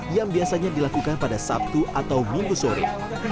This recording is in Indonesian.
yang biasanya dilakukan pada sabtu atau minggu sore